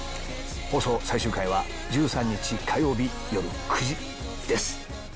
放送最終回は１３日火曜日よる９時です。